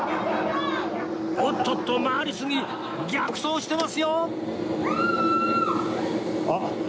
おっとっと回りすぎ逆走してますよ！